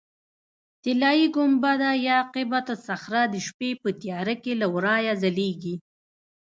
طلایي ګنبده یا قبة الصخره د شپې په تیاره کې له ورایه ځلېږي.